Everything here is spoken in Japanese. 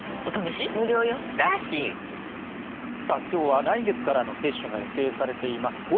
今日は来月からの接種が予定されています